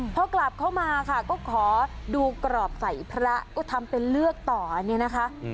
พอกลับเข้ามาค่ะก็ขอดูกรอบใส่พระก็ทำเป็นเลือกต่อเนี่ยนะคะ